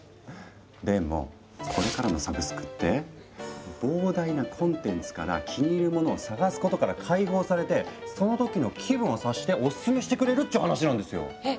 でもこれからのサブスクって膨大なコンテンツから気に入るものを探すことから解放されてその時の気分を察してオススメしてくれるって話なんですよ。え？